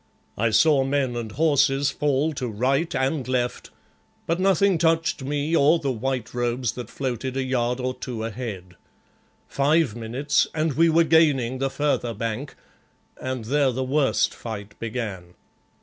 I saw men and horses fall to right and left, but nothing touched me or the white robes that floated a yard or two ahead. Five minutes and we were gaining the further bank, and there the worst fight began.